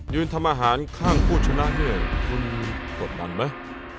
ทำอาหารข้างผู้ชนะเนี่ยคุณกดดันไหม